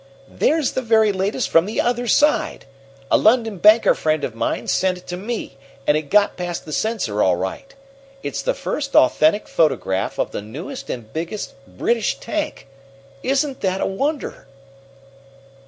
"There's the very latest from the other side. A London banker friend of mine sent it to me, and it got past the censor all right. It's the first authentic photograph of the newest and biggest British tank. Isn't that a wonder?"